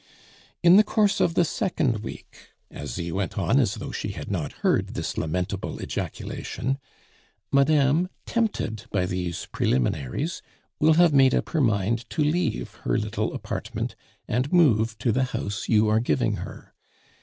"In the course of the second week," Asie went on, as though she had not heard this lamentable ejaculation, "madame, tempted by these preliminaries, will have made up her mind to leave her little apartment and move to the house you are giving her.